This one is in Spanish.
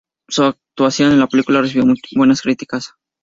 Su actuación en la película recibió buenas críticas.